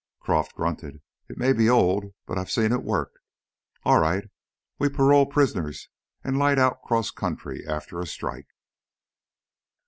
Croff grunted. "It may be old, but I've seen it work. All right, we parole prisoners and light out cross country after a strike."